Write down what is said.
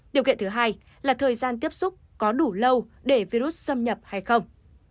điều kiện thứ hai là thời gian tiếp xúc có đủ lâu để virus xâm nhập hay không